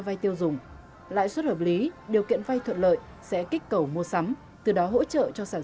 vay tiêu dùng lãi suất hợp lý điều kiện vay thuận lợi sẽ kích cầu mua sắm từ đó hỗ trợ cho sản